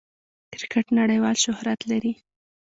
کرکټ نړۍوال شهرت لري.